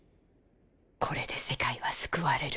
これで世界は救われる。